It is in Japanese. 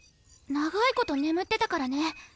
長いこと眠ってたからね。